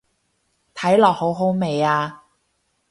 睇落好好味啊